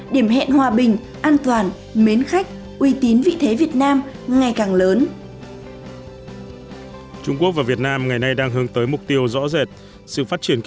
điểm hẹn hòa bình an toàn mến khách uy tín vị thế việt nam ngày càng lớn